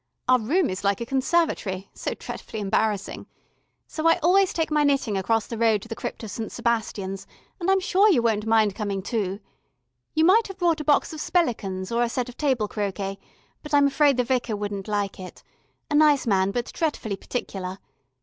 Our room is like a conservatory so dretfully embarrassing. So I always take my knitting across the road to the crypt of St. Sebastian's, and I'm sure you won't mind coming too. You might have brought a box of spellicans, or a set of table croquet, but I'm afraid the Vicar wouldn't like it. A nice man but dretfully particular.